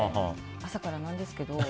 朝からなんですけど。